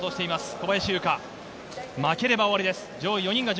小林優香、負ければ終わりです。